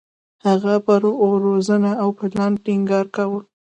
هغه پر روزنه او پلان ټینګار کاوه.